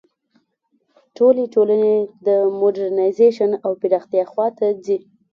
ټولې ټولنې د موډرنیزېشن او پراختیا خوا ته ځي.